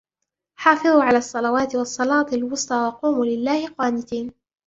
حَافِظُوا عَلَى الصَّلَوَاتِ وَالصَّلَاةِ الْوُسْطَى وَقُومُوا لِلَّهِ قَانِتِينَ